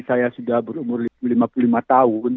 saya sudah berumur lima puluh lima tahun